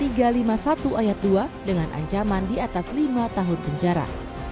pasal tiga ratus lima puluh satu ayat dua dengan ancaman di atas lima tahun penjara